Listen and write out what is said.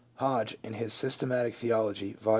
Hodge in his "Systematic Theology," Vol.